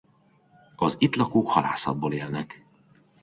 Az itt lakók halászatból élnek.